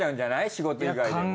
仕事以外でも。